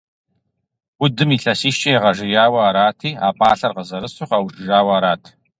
Удым илъэсищкӀэ игъэжеяуэ арати, а пӀалъэр къызэрысу къэушыжауэ арат.